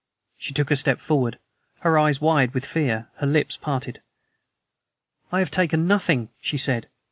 She took a step forward, her eyes wide with fear, her lips parted. "I have taken nothing," she said.